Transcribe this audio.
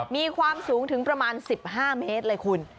มีความสูงถึงประมาณ๑๕เมตรเลยคุณ